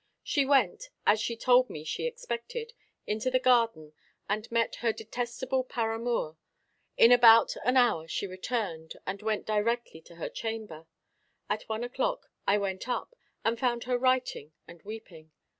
She went, as she told me she expected, into the garden, and met her detestable paramour. In about an hour she returned, and went directly to her chamber. At one o'clock I went up, and found her writing, and weeping.